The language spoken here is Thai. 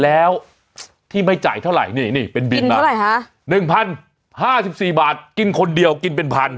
แล้วที่ไม่จ่ายเท่าไหร่นี่นี่เป็นบินเท่าไหร่ฮะหนึ่งพันห้าสิบสี่บาทกินคนเดียวกินเป็นพัน